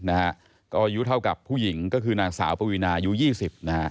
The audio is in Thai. อายุเท่ากับผู้หญิงก็คือนางสาวปวีนาอายุ๒๐ปี